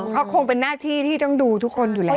เขาคงเป็นหน้าที่ที่ต้องดูทุกคนอยู่แล้ว